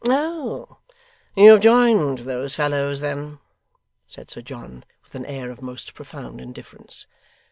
'Oh! you have joined those fellows then?' said Sir John, with an air of most profound indifference.